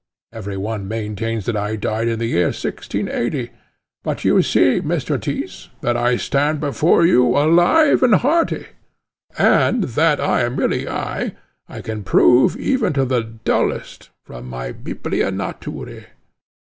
Every one maintains that I died in the year 1680, but you see, Mr. Tyss, that I stand before you alive and hearty; and that I am really I, I can prove even to the dullest, from my Biblia Naturæ.